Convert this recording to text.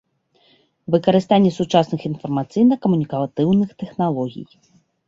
Выкарыстанне сучасных iнфармацыйна-камунiкатыўных тэхналогiй.